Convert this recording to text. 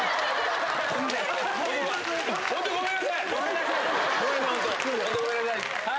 本当だ、ごめんなさい。